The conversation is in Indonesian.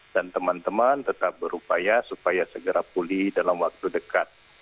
teman teman tetap berupaya supaya segera pulih dalam waktu dekat